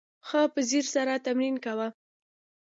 ښه په ځیر سره تمرین کوه !